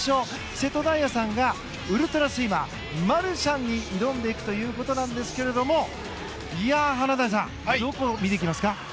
瀬戸大也さんがウルトラスイマー、マルシャンに挑んでいくということなんですが華大さんどこを見ていきますか？